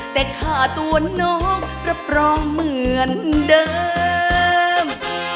แต่ค่าตัวน้องรับรองเหมือนเดิม